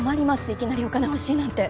いきなりお金欲しいなんて。